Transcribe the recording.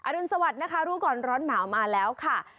รุนสวัสดิ์นะคะรู้ก่อนร้อนหนาวมาแล้วค่ะ